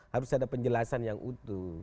harus ada penjelasan yang utuh